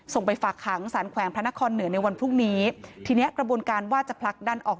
ไปฝากขังสารแขวงพระนครเหนือในวันพรุ่งนี้ทีเนี้ยกระบวนการว่าจะผลักดันออก